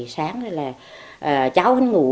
sáng là cháu ngủ